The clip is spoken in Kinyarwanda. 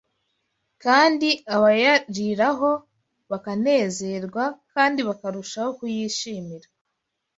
kandi abayariraho bakanezerwa, kandi bakarushaho kuyishimira